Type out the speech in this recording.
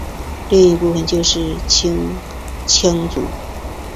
另一部分就是青羌族。